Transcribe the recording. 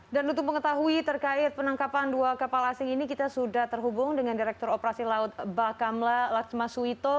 dan untuk mengetahui terkait penangkapan dua kapal asing ini kita sudah terhubung dengan direktur operasi laut mbak kamla laksma suwito